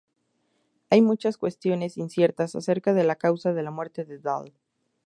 Hay muchas cuestiones inciertas acerca de la causa de la muerte de Dall.